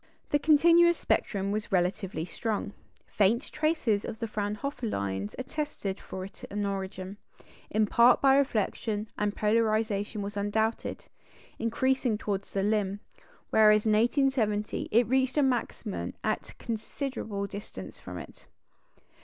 The continuous spectrum was relatively strong; faint traces of the Fraunhofer lines attested for it an origin, in part by reflection; and polarisation was undoubted, increasing towards the limb, whereas in 1870 it reached a maximum at a considerable distance from it.